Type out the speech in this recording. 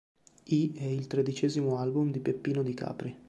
I e il tredicesimo album di Peppino di Capri.